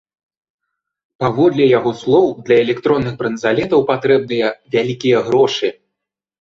Паводле яго слоў, для электронных бранзалетаў патрэбныя вялікія грошы.